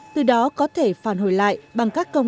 từ đó có thể phản hồi lại bằng các công